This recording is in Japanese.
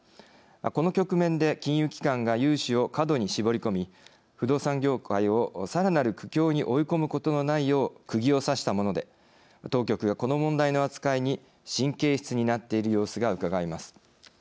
この局面で金融機関が融資を過度に絞り込み不動産業界をさらなる苦境に追い込むことのないようくぎを刺したもので当局が、この問題の扱いに神経質になっている様子がうかがえます。